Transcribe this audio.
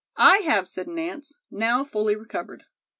"I have," said Nance, now fully recovered.